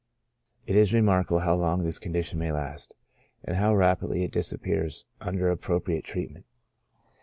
It is remarkable how long this condition may last, and how rapidly it disap pears under appropriate treatment.